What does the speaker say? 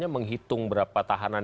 menghitung berapa tahanan